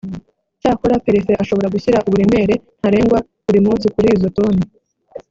cyakora perefe ashobora gushyira uburemere ntarengwa buri munsi kuri izo toni